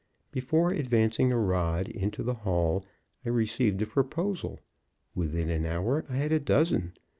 Before advancing a rod into the hall, I received a proposal; within an hour I had a dozen.